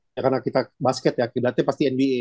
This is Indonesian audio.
ya karena kita basket ya akibatnya pasti nba